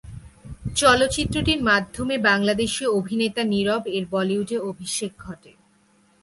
চলচ্চিত্রটির মাধ্যমে বাংলাদেশি অভিনেতা নিরব এর বলিউডে অভিষেক ঘটে।